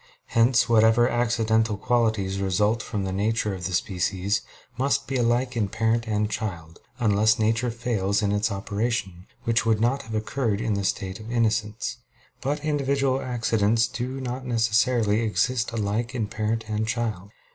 Hence whatever accidental qualities result from the nature of the species, must be alike in parent and child, unless nature fails in its operation, which would not have occurred in the state of innocence. But individual accidents do not necessarily exist alike in parent and child.